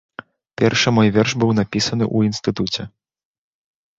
Першы мой верш быў напісаны ў інстытуце.